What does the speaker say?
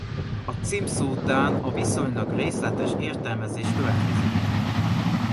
A címszó után a viszonylag részletes értelmezés következik.